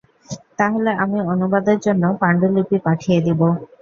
তাহলে, আমি অনুবাদের জন্য পাণ্ডুলিপি পাঠিয়ে দিব।